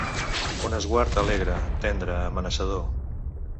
Un esguard alegre, tendre, amenaçador.